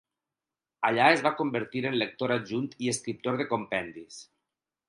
Allà es va convertir en lector adjunt i escriptor de compendis.